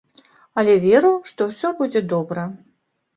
Але веру, што ўсё будзе добра.